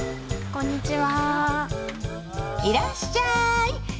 こんにちは。